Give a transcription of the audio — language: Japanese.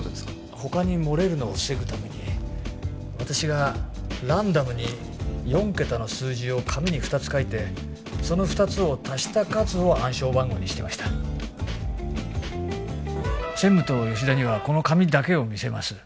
他にもれるのを防ぐために私がランダムに４ケタの数字を紙に２つ書いてその２つを足した数を暗証番号にしてました専務と吉田にはこの紙だけを見せます